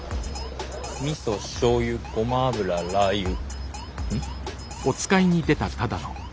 みそしょうゆごま油ラー油うん？